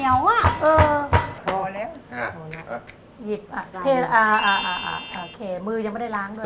มือยังไม่ได้ล้างด้วย